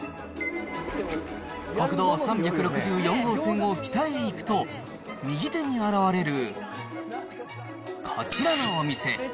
国道３６４号線を北へ行くと、右手に現れる、こちらのお店。